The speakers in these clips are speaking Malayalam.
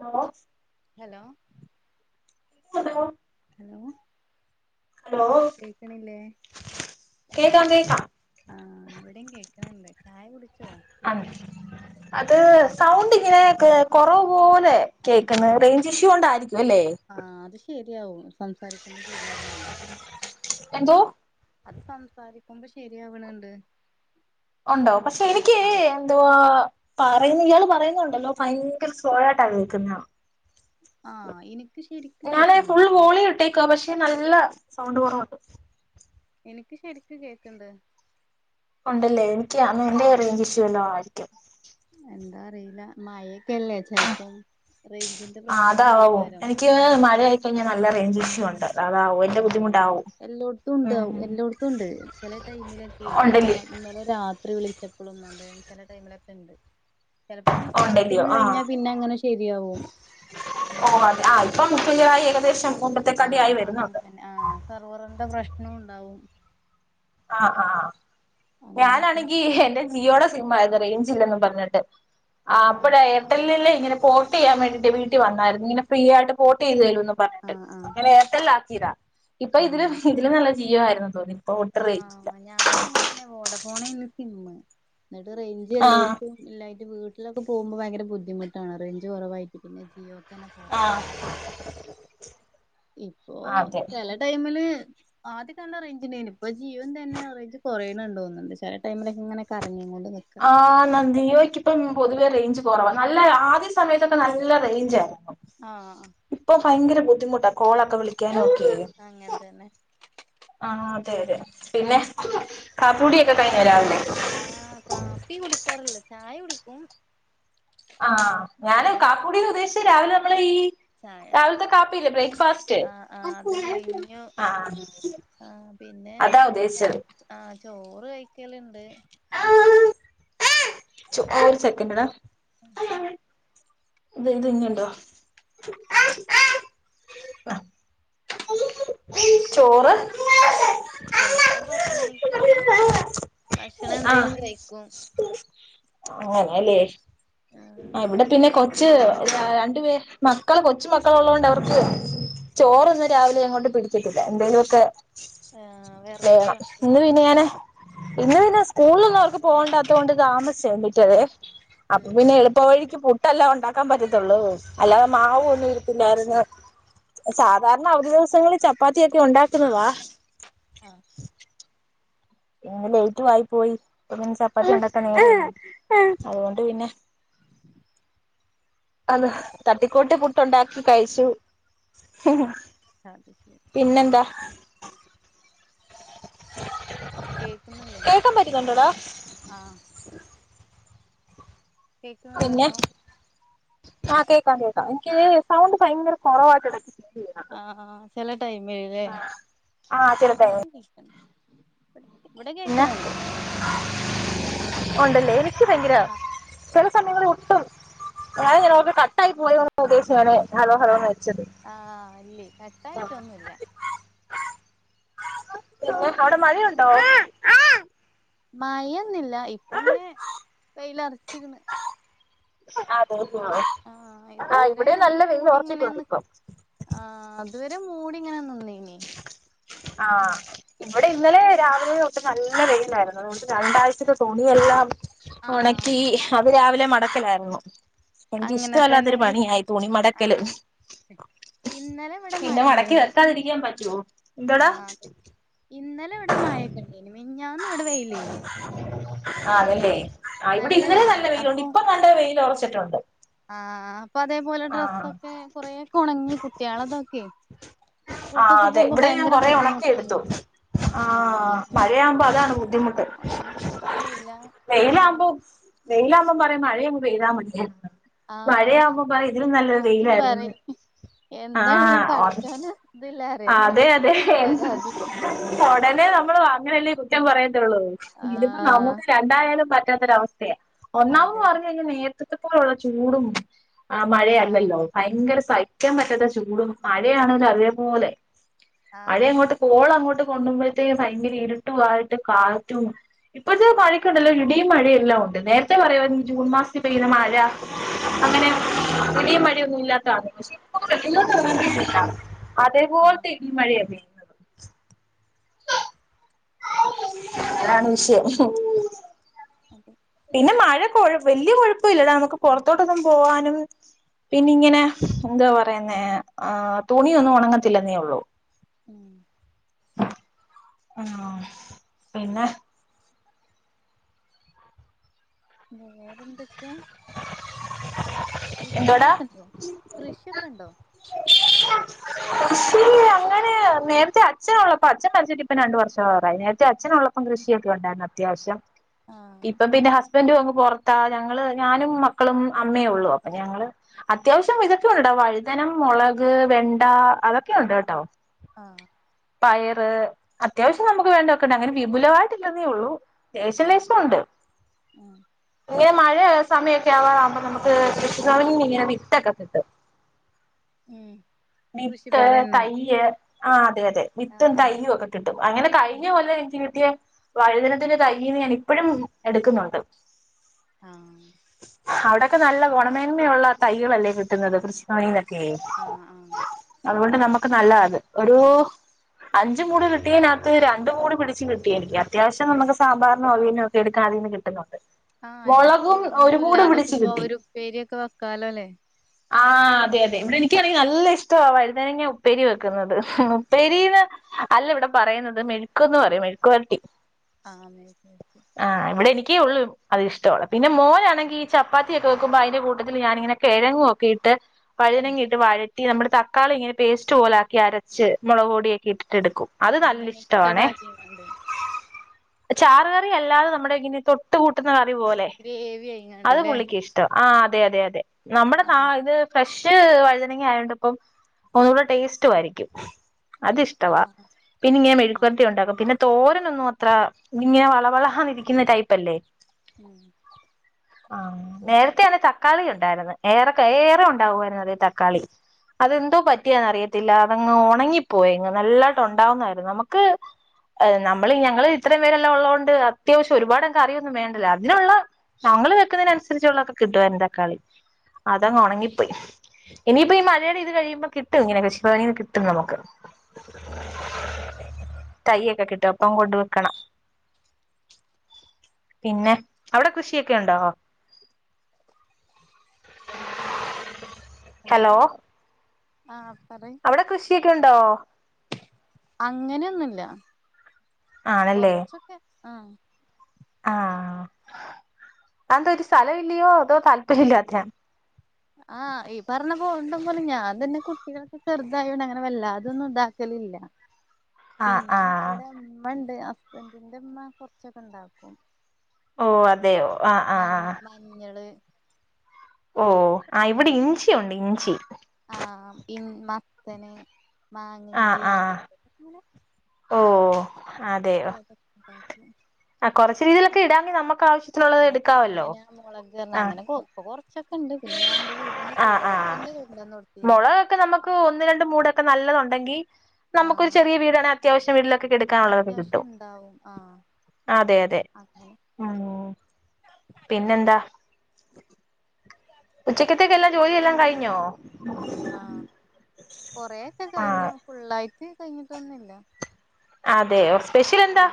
ഹലോ ഹലോ [unintelligible] ഹലോ കേക്ക്ണില്ലേ കേക്കാം കേക്കാം ആ ഇവേടം കേക്ക്ണ് ണ്ട് ആ അത് സൗണ്ട് ഇങ്ങനെ കൊറവ് പോലെ കേക്ക്ന്ന് റേഞ്ച് ഇഷ്യൂണ്ടായിരി ആ അത് ശേ ശെരിയാവും സംസാരിക്കുമ്പോ ശെരിയാവ്ണ്ട് എന്തോ അത് സംസാരിക്കുമ്പോ ശെരിയാവ്ണ് ണ്ട് ഉണ്ടോ പക്ഷെ എനിക്ക് എന്തുവാ പറയുന്ന ഇയാൾ പറയുന്നുണ്ടല്ലോ ഭയങ്കര സോലോയിട്ടാ കേക്കുന്നെ ആ എനിക്ക് ശരിക്ക് കേക്ക്ണ്‌ണ്ട് ട്ടോ ക്ഷെ നല്ല സൗണ്ട് കൊറവുണ്ട് എനിക്ക് ശെരിക്ക് കേക്ക്ണ്ട് ഉണ്ടല്ലേ എനിക്കി എന്റെ റേഞ്ച് ഇഷ്യൂവല്ലോ ആയി ക്കും എന്താ അറിയില്ല മഴേ ക്കല്ലേ ചെലപ്പം റേഞ്ചിന്റെ ആ പ്രശ്നം അതാവും കൊണ്ടേക്കാരം എനിക്ക് [unintelligible] മഴയായിക്കഴിഞ്ഞാൽ നല്ല റേഞ്ച് ഇഷ്യൂ ഉണ്ട് അതാവും ആ എന്റെ ബുദ്ധിമുട്ടാവും എല്ലോട്ത്ത്ണ്ടാവും ഉം എല്ലോട്ത്തുണ്ട് ചെല ടൈമിലേക്കെ ഈ ഉണ്ടല്ലേ രാത് ഇന്നലെ രാ ത്രി വിളിച്ചപ്പളും അതെ ചെല ടൈമിലൊക്കെണ്ട് ചെലപ്പങ്ങനെ ഉണ്ടല്ലയോ സ്റ്റാർട്ടിങ്ങ് കഴിഞ്ഞാ ആഹ് പിന്നെങ്ങനെ ശെരിയാവും ആയി ഏകദേശം ആ മുമ്പത്തെക്കാട്ടിയായി വരുന്നുണ്ട് അങ്ങനെതന്നെ ആ സർവർന്റെ പ്രശ് നം ഉണ്ടാവും ആ ആ അങ്ങനെയൊക്കെ ഞാനാണെങ്കി എന്റെ ജിയോടെ സിമ്മായിത് റേഞ്ചില്ലന്ന് പറഞ്ഞിട്ട് ആ ആഹ് അപ്പഴ എയർടെല്ലില് ഇങ്ങന പോർട്ടയ്യാൻ വേണ്ടിട്ട് വീട്ടി വന്നായിരുന്നു. ഇങ്ങനെ ഫ്രീയായിട്ട് പോട്ടേയ്ത് തരും ന്നും പറഞ്ഞിട്ട് ആഹ് ആഹ് അങ്ങനെ എയർടെൽ ആ ക്കിതാ ഇപ്പൊ ഇതില് ഇതില് നല്ല ജിയോ ആയിരുന്നു തോന്നി ഒട്ടും ആ റേഞ്ചില്ല ഞാനും അങ്ങനെ തന്നെ വോഡഫോൺ എനി സിമ്മ് എന്നിട്ട് റേഞ്ച് ആഹ് എല്ലോടത്തും ഇല്ലായിട്ട് വീ ലൊക്കെ പോകുമ്പോ ഭയങ്കര ബുദ്ധിമുട്ടാണ് റേഞ്ച് കുറവായിട്ട് പിന്നെ ജിയോ ആ ഇപ്പോ ചില ടൈമില് ക്ക് ആദ്യക്കെ നല്ല റേഞ്ച്‌ ഇണ്ടെന്നും ഇപ്പ ജിയോന്റെ തന്നെ റേഞ്ച് കൊറേണണ്ടോന്നുന്നുണ്ട് ചില ടൈമിലൊക്കെ ഇങ്ങനെ കറ ആഹ് നന്ദിനോയ്ക്കൊപ്പം പൊതുവെ റേഞ്ച് കുറവാ നല്ല ആദ്യ സമയത്തൊക്കെ നല്ല റേഞ്ച് ആയിരു ആഹ് ഇപ്പൊ ഭയങ്കര ബുദ്ധിമുട് കോളൊക്കെ വിളിക്കാൻ ഓക്കെ അങ്ങനെ തന്നെ കാപ്പി കുടിയൊക്കെ കഴിഞ്ഞ രാവിലെ ആഹ് കാപ്പി കുടിക്കാറില്ല ചായ കുടിക്കും ആ ഞാന് ചായ കാക്കൂടിൽ ഉദേശ ത്തെ രാവിലെ നമ്മളെ ഈ ചായ രാവിലത്തെ കാപ്പിയില്ലേ ബ്രേക്ക്ഫാസ്റ്റ് ആ ആ അത് കഴിഞ്ഞു ആഹ് ആ പിന്നെ അതാ ക ഉദ്ദേശിച്ചത് ആ ചോറ് കഴി ക്കല്ണ്ട് ച്ചോ ഒരു സെക്കന്റെടാ ഇത് ഇത് ഇനിയുണ്ടോ ചോറ് ചെലപ്പോ പത്ത് മണിക്കൊക്കെ ഭക്ഷണം ആഹ് എന്തെലും കഴിക്കും അങ്ങനെല്ലേ ആഹ് ആ ഇവിടെ ഇയ്യ് പിന്നെ കൊ ച്ച് കഴിക്കലില്ലേ ര രണ്ട് മക്കൾ കൊച്ചു മക്കള് ഉള്ളോണ്ട് അവർക്ക് ചോറൊന്നും രാവിലെ അങ്ങോട്ട് പിടിക്കത്തില്ല എന്തേലു ഒക്കെ ആഹ് വെറൈറ്റി വേണം ഭക്ഷണം. ഇന്ന് പിന്നെ ഞാന് ഇന്ന് പിന്നെ സ്കൂളിലൊന്നും അവർക്ക് പോകണ്ടാത്തകൊണ്ട് താമ ച്ച എണീറ്റതെ അപ്പൊ ഉം പിന്നെ എളുപ്പ വഴിക്ക് പു ട്ടല്ലോൺ ണ്ടാക്കാൻ പറ്റത്തുള്ളൂ അല്ലാതെ മാവൊന്നും ഇര്പ്പില്ലായിരുന്നു സാധാരണ അവധി ദിവസങ്ങളിൽ ചപ്പാത്തിയൊക്കെ ഉണ്ടാക്കുന്നതാ ആഹ് [inaudible] ഇന്ന് ലേറ്റു വായി പോയി അപ്പ പിന്നെ ചപ്പാത്തി ഉണ്ടാകാൻ നോരമില്ലല്ലോ അതുകൊണ്ട് പിന്നെ അത് തട്ടിക്കോട്ട് പുട്ടുണ്ടാക്കി കഴിച്ചു അത് ശരി പിന്നെന്താ കേക്കുന്നില്ലേ [inaudible] കേക്കാൻ പറ്റുന്നുണ്ടോടാ ആഹ് കേക്കുണ് ണ്ടല്ലോ ആഹ് കേക്കാം കേക്കാം എനിക്ക് സൗണ്ട് ഭയങ്കര കുറവായിട്ട് [unintelligible] ആഹ് ആ ചെറുതായി [unintelligible] ഇവടെ കേക്കണ് ണ്ട് ഒണ്ടല്ലേ എനിക്ക് ക്ക് ഭയങ്കര [unintelligible] സമയങ്ങളിൽ ഒട്ടും [unintelligible] കട്ടായി പോയ ഉദ്ദേശിച്ച് ഹലോ ഹലോ വെച്ചത് ആഹ് അല്ലെ കട്ടായിട്ടൊന്നുല്ല പിന്നെ അവടെ മഴയുണ്ടോ? മയൊന്നുല്ല ഇപ്പങ്ങനെ വെയ്ലറിച്ച്ക്ക്ണ് അതെ ആ ആഹ് ആ ഇതുവരെ ഇവിടെ ഇങ്ങനെ നല്ല മൂടി വെയ്ലൊറച്ചിട്ടുണ്ടിപ്പം മൂടിങ്ങനെ നിന്നീനു [inaudible] ആഹ് ഇവടെ ഇന്നലെ രാവിലെ തൊട്ട് നല്ല നല്ല വെയിയിലായിരുന്നു അതുകൊണ്ട് രണ്ടാഴ്ചത്തെ തുണിയെല്ലാം ആഹ് ഒണക്കി ഹാ അത് രാവിലെ മടക്കിലായിര്ന്നു അങ്ങനെ തന്നെ എനക്ക്ഷ്ടമല്ലാത്തൊരു ഇ പണിയായി തുണി മടക്കല് ആഹ് ഇന്നലെ ഇവിടെ പിന്നെ മടക്കി മഴണ്ടേനി പിന്നെ വെക്കാതിരിക്കാൻ പറ്റ [unintelligible] എന്തടാ ആഹ് അതെ ഇന്നലെ ഇവടെ മായണ്ടായീന് മിഞ്ഞാന്ന് വടെ വെയിലേനി ആഹ് അതല്ലേ ആഹ് നല്ല വെയ്ല് അപ്പൊ തിട്ടുണ്ട് ആഹ് അപ്പൊ അതേപോലെ ഡ്രെസ്സൊക്കെ കൊറെെ ഉണങ്ങി കുട്ടികളതൊക്കെ ആഹ് സ്കൂൾക്കൊക്കെ അതെ പോകുമ്പോ ഇവിടെ ഞാൻ ഭയങ്കര കൊറേ ഒണക്കി എടുത്തു ബുദ്ധിമുട്ടണ്ടോ ആഹ ആഹ് മഴയാവുമ്പോ അതാണ് ബുദ്ധിമുട്ട് ഉടനെ കിട്ടല്ല വെയിലാവുമ്പോ അങ്ങനെയക്കെ വേതാ മണിയ ആഹ തിരിച്ചും പറയ വെയിലായിരുന്നു എന്താണേങ്കിലും ആഹ് പഠിച്ചോന്നല്ല അതെ അതെ ഉടനെ നമ്മൾ വാ ഇങ്ങളല്ലേ കുറ്റം പറയുന്നത് ഇതിപ്പ ആഹ് നമുക്ക് രണ്ടായാലും അവസ്ഥ ഒന്നാവത് അതെ പറഞ്ഞു കഴിഞ്ഞ നേരത്തെ മറ്റത്തെ പോലെയുള്ള ചൂടും ആ ആഹ് മഴയല്ലല്ലോ ഭയങ്കര സഹിക്കാൻ പറ്റാത്ത ചൂടും മഴയാണിലും അതേപോലെ മഴെ ആഹ് അങ്ങോട്ട് പോള അങ്ങോട്ട് കൊണുമ്പോഴത്തേക്ക്ഭയങ്കര ഇരുട്ടു ആയിട്ട് കാറ്റും ഇപ്പൊാ പഴിക്കുണ്ടല്ലോ ഇിയും മഴയ ണ്ട് നേരത്തെ പറയാ ജൂൺ മാസത്തിൽ പെയ്യുന്ന മഴ ആഹ വലിയ മഴിയൊന്നും ഇല്ലാത്തതാണ് പോൾ ആഹ് ത മറി അവി അ ആഹ് അതാണ് വിഷയം [inaudible] അതെ പിന്നെ മഴക്കഴ വലിയ കുഴപ്പില്ലട നമുക്ക് പുറത്തോട്ടൊന്നും പോവാനും പിന്നെ ഇങ്ങനെ എന്താ പറയുന്നേ ആ തുണിയൊന്നും ഉണങ്ങത്തില്ലെന്നേ ഉള്ളൂ ഉം ആ പിന്നെ വേറെന്തൊക്കെയാ എന്തുവാടാ കൃഷികളൊക്കെ ഉണ്ടോ? കൃഷിയൊക്കെ ഉണ്ടോ? കൃഷി അങ്ങനെ നേരത്തെ അച്ഛനുള്ളള്ളപ്പം അച്ഛൻ മരിച്ചിട്ട് ഇപ്പ രണ്ടു വർഷംആവാറായി നേരത്തെ അച്ഛനള്ളപ്പം കൃഷിയൊക്കെ ഉണ്ടായിരുന്നു അത്യാവശ്യം ആഹ് ഇപ്പൊ പിന്നെ ഹസ് ന് പുറത്താ ഞങ്ങള് ഞാനും മക്കളും അമ്മയേ ഉള്ളു അപ്പൊ ഞങ്ങൾ അത്യാവശ്യം ഇതൊക്കെയ ഉണ്ട് വഴുതനം മുളക് വെണ്ട അതൊക്കെയ ഉണ്ട് കേട്ടോ ആഹ പയറ് അത്യാവശ്യം നമുക്ക് വേണ്ടതൊക്കെ അങ്ങനെ വിപുലമായിട്ടില്ലെന്നേ ഉള്ളൂ ലേശം ആഹ് ലേശം ഉണ്ട് ഉം മഴ സമയൊക്കെ ആവാറ് ആകുമ്പോൾ നമുക്ക്‌ കൃഷിഭവനീന്നു ഇങ്ങനെ വിത്തൊക്കെ കിട്ടും ഉം വിത്ത് കൃഷിഭവൻന്ന് തയ്യ് ആഹ അതെ അതെ ആഹ് വിത്തും ആഹ് തൈയും ഒക്കെ കിട്ടും അങ്ങനെ ഉം കഴിഞ്ഞ കൊല്ലം എനിക്ക് കിട്ടിയ വഴുതനത്തിന്റെ തയ്യിന്ന് ഞാൻ ഇപ്പഴും എടുക്കുന്നുണ്ട് ആഹ അവിടൊക്കെ നല്ല ഗുണമേന്മയുള്ള തൈകളല്ലേ കിട്ടുന്നത് കൃഷിഭവനീന്നു കെ ആഹ് ആഹ് അതുപോലെ നമുക്ക് നല്ലത അത് ഒരു അഞ്ച്മൂഡ് കിട്ടിയതിനകത്ത് രണ്ട് മൂഡ് പിടിച്ച് കിട്ടിഎനിക്ക് അത്യാവശ്യം നമുക്ക് സാമ്പാറിനും അവിയലിനൊക്കെ എടുക്കാൻ അതിൽനിന്ന് കിട്ടുന്നുണ്ട് ആഹ എടക്ക് മുളകും ഒരു ഒന്നും മൂട് പിടിച്ച് ഇല്ലാതാകുമ്പോ കിട്ടി ഒരു ഉപേരിയൊക്കെ വെക്കാലോല്ലേ ആഹ് അതെ അതെ ഇവിടെ എനിക്കാണെങ്കിൽ നല്ല ഇഷ്ട വഴുതനങ്ങ ഉപ്പേരി വെക്കുന്നത് ഉപ്പേരി ആഹ് അല്ല ഇവിടെ പറയുന്നത് മെഴുക്ക്‌ എന്ന് പറയും മെഴുക്കുപുരട്ടി ആ [unintelligible] ഒക്കെയേ ഉള്ളു അതിഷ്ടുള്ള പിന്നെ മോ- ചപ്പാത്തി ഒക്കെവെക്കുമ്പോ അതിന്റെ കൂട്ടത്തി ഞാനങ്ങനെ കെഴങ്ങൊക്കെ ഇട്ട് ഉം വഴുതനങ്ങ ഇട്ട് വ- നമ്മള് തക്കളി ഇങ്ങനെ പേസ്റ്റ് പോലെആക്കി അരച്ച് മുളക് പൊടിയൊക്കെ ഇട്ടെടുക്കും അങ്ങനെ മിക്സഡ് ആക്കിണ്ട് ചാറ് കറി അല്ലാതെ നമ്മുടെ ഇങ്ങനെ തൊട്ട് കൂട്ടുന്ന ക- പോലെ ഗ്രേവി അത് ആയിങ്ങാണ്ട്ല്ലേ പുള്ളിക്ക് ഇഷ്ട ആഹ അതെ അതെ അതെ നമ്മുടെ ന ആഹ് ഇത് ഫ്രഷ് വഴുതനങ്ങ ആയോണ്ട് അപ്പം ഒന്നൂടെ ടേസ്റ്റ് ആയിരിക്കും അത് ഇഷ്ടവാ ആഹ് പിന്നെ ഇങ്ങനെ ആഹ് മെഴുക്കുപുരട്ടി ഉണ്ടാക്കും പിന്നെ തോരനൊന്നും അത്ര ഇങ്ങനെ വളവളന്നിരിക്കുന്ന ടൈപ് അല്ലേ ഉം ആ നേരത്തെയാണ് തക്കാളി ഉണ്ടായിരുന്നത് ഏറെ ഏറെ ഉണ്ടാവുമായിരുന്നു അതിൽ തക്കാളി അതെന്തോ പറ്റിയന്നറിയത്തില്ല അതങ്ങ് ഉണങ്ങിപ്പോയങ്ങ് നല്ലായിട്ട് ഉണ്ടാവുന്നായിരുന്നു നമുക്ക് നമ്മള് ഞങ്ങൾ ഇത്രയും പേരെല്ലാം ഉള്ളത് കൊണ്ട് അത്യാവശ്യം ഒരുപാട് കറിയൊന്നും വേണ്ടില്ല അതിനുള്ള ഞങ്ങൾ വെക്കുന്നതിനനുസരിച്ചുള്ളൊക്കെ കിട്ടും തക്കാളി അതങ്ങ് ഉണങ്ങിപ്പോയി ഇനിയിപ്പോ ഈ മഴയുടെ ഇത് കഴിയുമ്പോ കിട്ടും ഇങ്ങനെ കൃഷിഭവനീന്ന് കിട്ടും നമുക്ക് തൈഒക്കെ കിട്ടും അപ്പൊ കൊണ്ട് വെക്കണം പിന്നെ അവിടെ കൃഷിയൊക്കെ ഒക്കെ ഉണ്ടോ ഹലോ ആഹ് പറയ് അവിടെ കൃഷിയൊക്കെ ഉണ്ടോ അങ്ങനെയൊന്നുംല്ല കൊറച്ചൊക്കെ ആഹ ആഹ അന്ത ഒരു സ്ഥലം ഇല്ലയോ അതോ താല്പര്യ ഇല്ല അദ്ദേഹം ആഹ ഈ പറഞ്ഞ പോകണ്ട പോലെ ഞാൻ തന്നെ കുട്ടികളൊക്കെ ചെറുതായണ്ട് അങ്ങനെ വല്ലാതൊന്നും ഉണ്ടാക്കലില്ല ആഹ് പിന്നെ ആഹ് ഇവിടെ അമ്മണ്ട് ഹുസ്‌ബെന്റി ഉമ്മ കൊറച്ചൊക്കെ ഇണ്ടാക്കും ഓ അതെയോ ആഹ് ആഹ് മഞ്ഞള് ഓ ആ ഇവിടെ ഇഞ്ചിയുണ്ട് ഇഞ്ചി മത്തൻ മാങ്ങ ജ ആഹ് ആഹ് ഓ ചിലത [inaudible] ഉ [unintelligible] കുറ രീതിയിലൊക്ക ഇടാങ്കിൽ നമക്ക് ആവ്യം ആ ചേന മുളക് ആഹ് അങ്ങനെ ഇപ്പൊറ ക്കെ ഉണ്ട് പിന്നെ ഞാൻ എൻന്റെറെ വീട്ടൊന്ന് ആഹ് കോവക്ക ആഹ് എന്റെ കൊണ്ടന്ന്ത്തീന് ഒക്കെ നല്ലതു ഉണ്ടെങ്കിൽ നമുക്കൊരു ചെറിയ വീടാണ് അത്യാവ്യമില്ല എ ടുക്കാനുള്ളതൊക്കെ അത്യാവശ്യം കിട്ടും ഇണ്ടാവും ആഹ് അതെ അതെ അങ്ങനെ ഉ പിന്നെെന്താ ഉ ഉച്ചക്ക്ത്തിക്കെല്ലാം ജോലി എല്ലാം കഴഞ്ഞോ ആഹ കൊറെ ആഹ് കഴിഞ്ഞു ഫുള്ളായിട്ട് കഴിഞ്ഞിട്ടൊന്നുമില്ല അതെ സ്പെഷ്യൽ എന്താ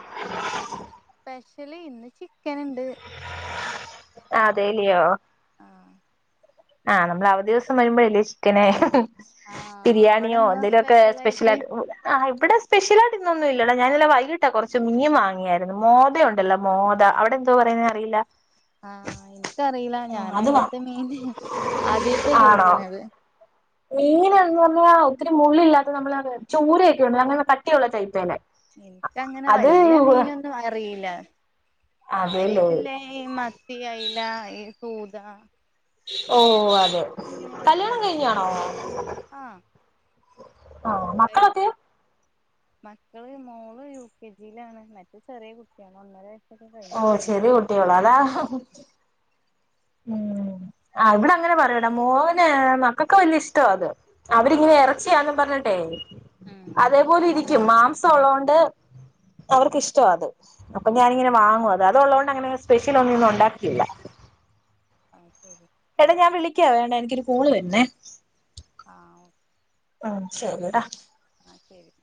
ഇല്ല ഇന്ന് ചിക്കൻ ഉണ്ട് ആ അതെല്ലയോ ആഹ് ആഹ് നമ്മൾ അവധി ദിവസം വരുമ്പോഴല്ലേ ചിക്കന ആഹ് ബിരിയാണിയോ അവിടെന്താ എന്തെലുമൊക്കെ സ്പെഷ്യൽ സ്പെഷ്യലായിട്ട് ആ് ആ ഇവിടെ സ്പെഷ്യൽ ആ ന്നൊന്നും ഇല്ലല്ലോ ഞാനല്ലാ വൈകീട്ടാ കുറച്ച് മീൻ വാങ്ങിയായിരുന്നു മോത ഉണ്ടല്ലോ മോദ അവിടെ എന്തോ പറയുന്നത് അറിയില്ല ആഹ എനിക്കറിയില്ല ഉം ഞാൻ അത് വാ അങ്ങനത്തെ മീന് ആദ്യമായിട്ടാ കേക്കണത് മീൻ എന്ന് പറഞ്ഞാ ഒത്തിരി മുള്ളില്ലത്ത നമ്മള് ചൂരൊക്കെ അങ്ങന കട്ടിയുള്ള ചൈത്തേെ എനിക്കങ്ങനെ വല്ല മീനൊന്നും അറിയില്ല കാര്യ അതേല്ലേ ഇട്ടല്ലേ ഈ മത്തി അയില സൂദ ഓ അതെ കല്യാണം അറിയുള്ളൂ കഴിഞ്ഞെയാണോ ഉ ആഹ് ആ മക്കളൊക്കെ മക്കൾ മോൾ യു കെ ജിയിലാണ് മറ്റെ ചെറിയ കുട്ടിയാണ് ഒന്നര വെയ് ഓ ശെരി കുട്ടികളോടാ ഉം ഇവിടെ അങ്ങനെ പറയു എടാ മോൻ മക്കക്ക് വല്ല്യയ ഇഷ്ടാവാ അത് അവരിങ്ങനെ ഇറച്ചിയാന്നും പറഞ്ഞിട്ടെ ഉം അതേ പോലെ ഇരി ക്കും മാംസം ഉള്ളോണ്ട് അവർക്ക് ഇഷ്ടവാ അത് അപ്പൊ ആഹ് ഞാനിങ്ങനെ വാങ്ങും അ അത് അത് ഉള്ളോണ്ട് അങ്ങനെ സ്പെഷ്യൽ ഒന്നും ഉണ്ടാക്ക്യെല ആ ശരി എടാ ഞാൻ വിളിക്കാവേ ണ്ടാ എനിക്കൊര് കോൾ വര്ണെ ആ ഓ ഉം ശരിയെടാ ആ ശരി